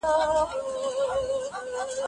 که د حکومت څارنه ونه سي استبداد رامنځته کېږي.